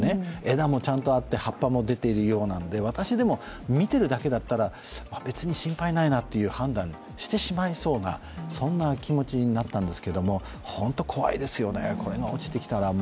枝もちゃんとあって葉っぱも出ているようなんで私でも見ていてるだけだったら、別に心配ないなという判断をしてしまいそうな、そんな気持ちになったんですけど、本当に怖いですよね、こういうのが落ちてきたら。